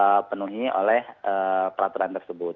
jadi penuhi oleh peraturan tersebut